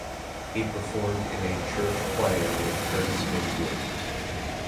He performed in a church choir with Curtis Mayfield.